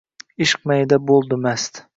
Ishq mayiga bo’ldi mast.